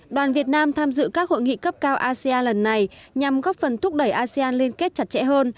đoàn việt nam tham dự các hội nghị cấp cao asean lần này nhằm góp phần thúc đẩy asean liên kết chặt chẽ hơn